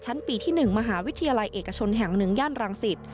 ชั้นปีที่๑มหาวิทยาลัยเอกชนแห่ง๑ย่านรังสิต